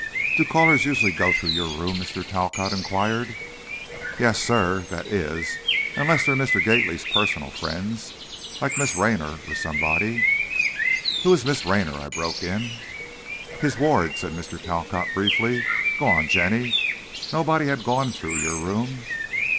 "Do callers usually go through your room?" Mr. Talcott inquired. "Yes, sir, that is, unless they're Mr. Gately's personal friends, like Miss Raynor or somebody." "Who is Miss Raynor?" I broke in. "His ward," said Mr. Talcott, briefly. "Go on, Jenny; nobody had gone through your room?"